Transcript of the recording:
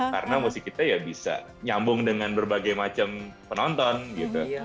karena pasti kita ya bisa nyambung dengan berbagai macam penonton gitu